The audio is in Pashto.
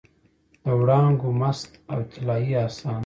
د وړانګو مست او طلايي اسان